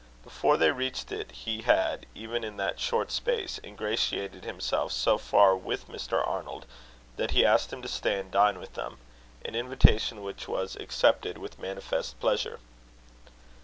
Before they reached it he had, even in that short space, ingratiated himself so far with Mr. Arnold, that he asked him to stay and dine with them an invitation which was accepted with manifest pleasure.